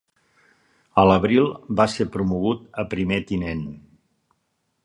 A l'abril, va ser promogut a primer tinent.